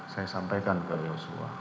saya sampaikan ke joshua